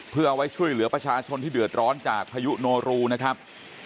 เพื่อเอาไว้ช่วยเหลือประชาชนที่เดือดร้อนจากพายุโนรูนะครับ